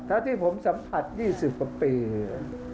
ภาคอีสานแห้งแรง